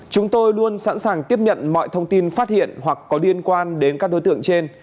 chúng tôi luôn sẵn sàng tiếp nhận mọi thông tin phát hiện hoặc có liên quan đến các đối tượng trên